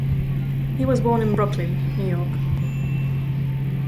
He was born in Brooklyn, New York.